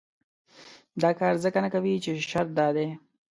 دا کار ځکه نه کوي چې شرط دا دی.